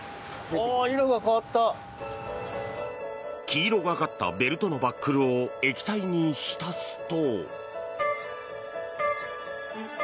黄色がかったベルトのバックルを、液体に浸すと。